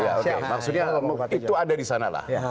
maksudnya itu ada di sana lah